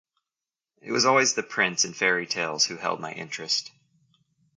It was always the prince, in fairy tales, who held my interest.